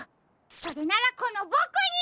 それならこのボクに！